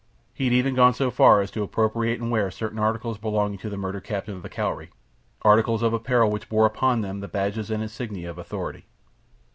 He had even gone so far as to appropriate and wear certain articles belonging to the murdered captain of the Cowrie—articles of apparel which bore upon them the badges and insignia of authority.